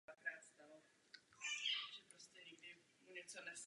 Nechceme na tom nic měnit kvůli cílům nebo harmonogramu.